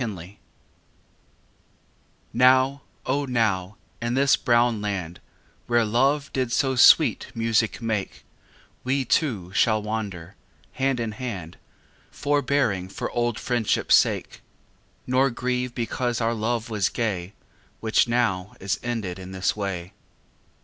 XXXIII Now, O now, in this brown land Where Love did so sweet music make We two shall wander, hand in hand, Forbearing for old friendshipâ sake, Nor grieve because our love was gay Which now is ended in this way.